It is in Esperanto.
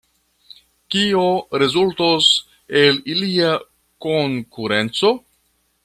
Kio rezultos el ilia konkurenco?